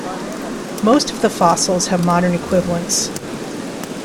Most of the fossils have modern equivalents.